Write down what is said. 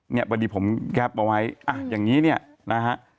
เนี่ยพอดีผมแก๊ปเอาไว้อ่ะอย่างนี้เนี่ยนะฮะ